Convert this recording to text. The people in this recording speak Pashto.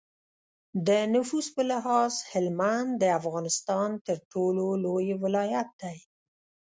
د نفوس په لحاظ هلمند د افغانستان تر ټولو لوی ولایت دی.